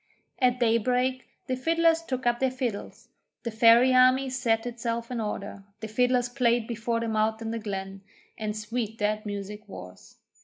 At daybreak the fiddlers took up their fiddles, the Fairy army set itself in order, the fiddlers played before them out of the glen, and sweet that music was.